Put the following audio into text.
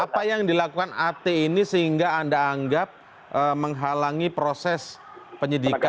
apa yang dilakukan at ini sehingga anda anggap menghalangi proses penyidikan